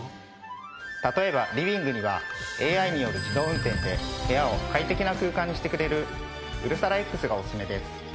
例えばリビングにはＡＩによる自動運転で部屋を快適な空間にしてくれるうるさらＸがおすすめです。